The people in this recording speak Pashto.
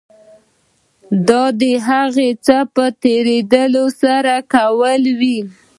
دا د هغه څه په ترسره کولو کې وي.